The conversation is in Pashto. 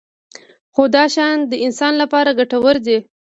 خو دا شیان د انسان لپاره ګټور دي.